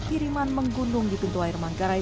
kiriman menggunung di pintu air mangkarai